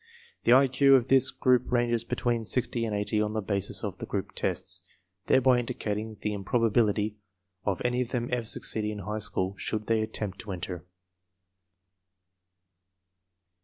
The IQ of this group ranges between 60 and 80 on the basis of the group tests, thereby indicating the improbability of any of them ever succeeding in high school should they attempt to enter.